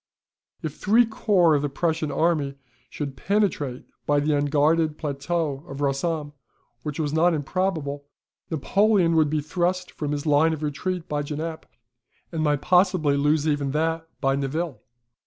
If three corps of the Prussian army should penetrate by the unguarded plateau of Rossomme, which was not improbable, Napoleon would be thrust from his line of retreat by Genappe, and might possibly lose even that by Nivelles.